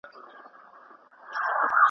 څوک یې درې څوک یې څلور ځله لوستلي.